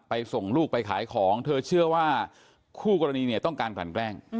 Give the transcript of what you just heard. ส่งลูกไปขายของเธอเชื่อว่าคู่กรณีเนี่ยต้องการกลั่นแกล้ง